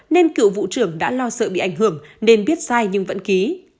nên cựu vụ trưởng đã lo sợ bị ảnh hưởng nên biết sai nhưng vẫn ký